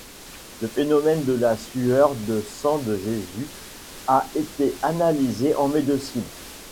Le phénomène de la sueur de sang de Jésus a été analysé en médecine.